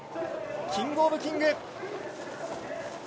キングオブキング。